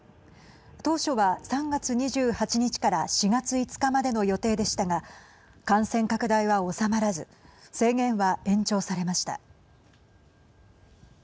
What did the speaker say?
当初は３月２８日から４月５日までの予定でしたが感染拡大は収まらず制限は延長されました。